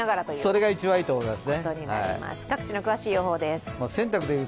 それが一番いいと思います。